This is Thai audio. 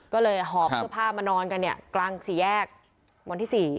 ก็เลยหอบเสื้อผ้ามานอนกันเนี่ยกลางสี่แยกวันที่๔